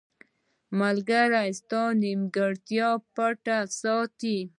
• ملګری ستا نیمګړتیاوې پټې ساتي.